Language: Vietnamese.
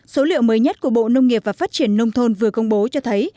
số liệu mới nhất của bộ nông nghiệp và phát triển nông thôn vừa công bố cho thấy